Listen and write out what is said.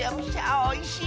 おいしい！